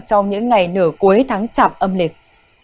trong những ngày nửa cuối tháng chạm âm lịch